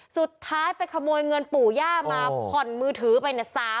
สุดท้ายไปขโมยเงินปู่ย่ามาผ่อนมือถือไปเนี่ย